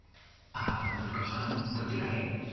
あらのり子さんどちらへ？